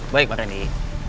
baik mas randy